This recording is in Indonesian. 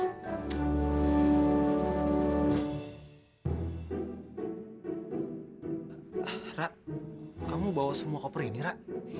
ah ra kamu bawa semua koper ini ra